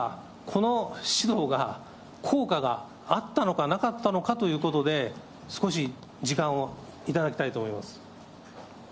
この指導が効果があったのか、なかったのかということで、少し時間をいただきたいと思います。